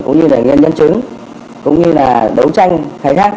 cũng như là nghiên nhân chứng cũng như là đấu tranh khai thác